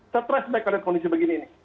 stres naik pada kondisi begini ini